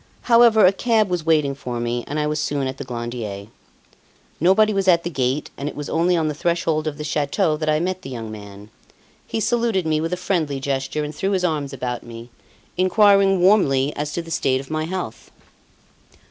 However, a cab was waiting for me and I was soon at the Glandier. Nobody was at the gate, and it was only on the threshold of the chateau that I met the young man. He saluted me with a friendly gesture and threw his arms about me, inquiring warmly as to the state of my health.